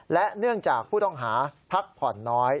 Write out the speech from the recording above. และเนื่องจากผู้ต้องหาพักผ่อนน้อย